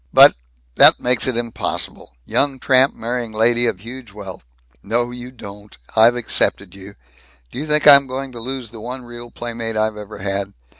"But That makes it impossible. Young tramp marrying lady of huge wealth " "No, you don't! I've accepted you. Do you think I'm going to lose the one real playmate I've ever had?